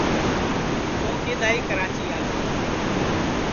توں کِدؔ آئی کراچیاس